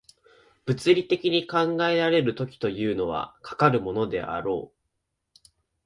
物理的に考えられる時というのは、かかるものであろう。